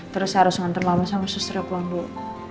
terus saya harus ngantar mama sama sestri akuan dulu